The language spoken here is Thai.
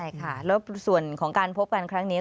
ใช่ค่ะแล้วส่วนของการพบกันครั้งนี้